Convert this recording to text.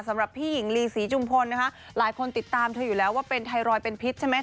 สำหรับพี่หญิงลีศรีจุมพลนะคะหลายคนติดตามเธออยู่แล้วว่าเป็นไทรอยด์เป็นพิษใช่ไหม